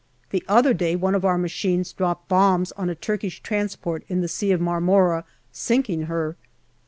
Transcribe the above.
The other day one of our machines dropped bombs on a Turkish transport in the Sea of Marmora, sinking her.